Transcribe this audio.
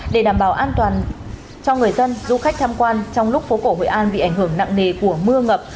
để đảm bảo an toàn cho người dân du khách tham quan trong lúc phố cổ hội an bị ảnh hưởng nặng nề của mưa ngập